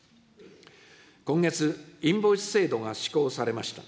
今月、インボイス制度が施行されました。